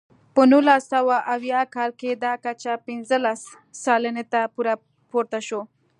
په نولس سوه اویا کال کې دا کچه پنځلس سلنې ته پورته شوه.